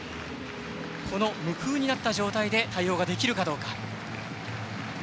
この無風になった状態で対応ができるかどうか。